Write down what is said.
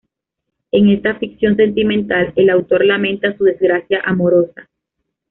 En esta ficción sentimental el autor lamenta su desgracia amorosa.